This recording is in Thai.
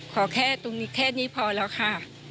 ขอแค่ตรงนี้แค่นี้พอแล้วค่ะ